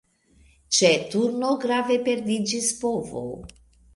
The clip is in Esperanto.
Ĉe turno grave perdiĝis povo.